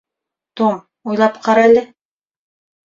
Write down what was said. Том, уйлап ҡара әле.